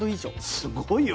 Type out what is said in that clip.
すごいよね。